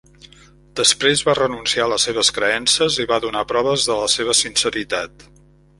Després va renunciar a les seves creences i va donar proves de la seva sinceritat.